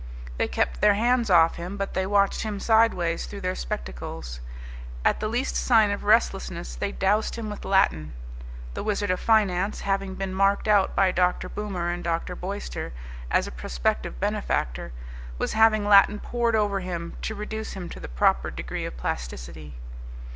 They kept their hands off him, but they watched him sideways through their spectacles. At the least sign of restlessness they doused him with Latin. The Wizard of Finance, having been marked out by Dr. Boomer and Dr. Boyster as a prospective benefactor, was having Latin poured over him to reduce him to the proper degree of plasticity.